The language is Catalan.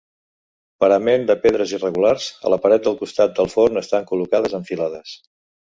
Parament de pedres irregulars, a la paret del costat del forn estan col·locades en filades.